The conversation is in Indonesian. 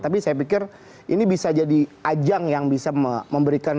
tapi saya pikir ini bisa jadi ajang yang bisa memberikan referensi tepat ke luarnya